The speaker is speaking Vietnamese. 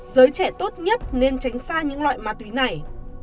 giới trẻ tốt nhất nên tránh xa những loại ma túy này